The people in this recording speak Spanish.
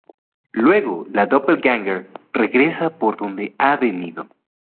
Luego la doppelgänger regresa por donde ha venido.